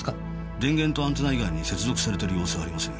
電源とアンテナ以外に接続されてる様子はありません。